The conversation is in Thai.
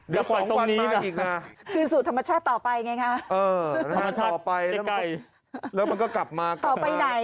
เดี๋ยว๒วันมาอีกนะคือสู่ธรรมชาติต่อไปไงฮะธรรมชาติเก็บไกลแล้วมันก็กลับมากลับมาต่อไปไหน